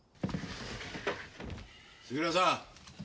杉浦さん。